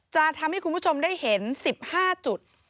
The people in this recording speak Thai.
จะทำให้คุณผู้ชมได้เห็น๑๕จุด